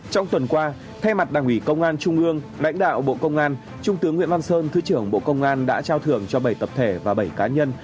trong tuần qua thay mặt đảng ủy công an trung ương lãnh đạo bộ công an trung tướng nguyễn văn sơn thứ trưởng bộ công an đã trao thưởng cho bảy tập thể và bảy cá nhân